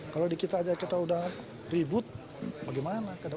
kalau di kita aja kita udah ribut bagaimana